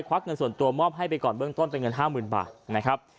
วักเงินส่วนตัวมอบให้ไปก่อนเบื้องต้นเป็นเงิน๕๐๐๐บาทนะครับ